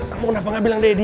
kamu kenapa gak bilang deddy